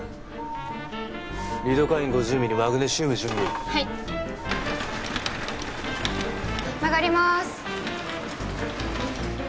リドカイン５０ｍｇマグネシウム準備はい曲がります